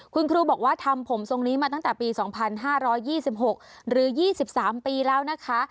คุณครูบอกว่าทำผมทรงนี้มาตั้งแต่ปี๒๕๒๖หรือ๒๓ปีแล้วนะคะ